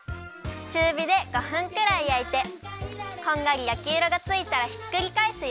ちゅうびで５分くらいやいてこんがりやきいろがついたらひっくりかえすよ。